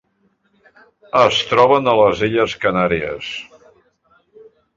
Es troben a les Illes Canàries.